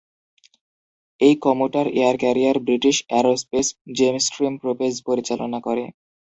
এই commuter air carrier British Aerospace Jetstream প্রোপেজ পরিচালনা করে।